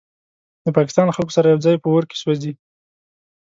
د پاکستان له خلکو سره یوځای په اور کې سوځي.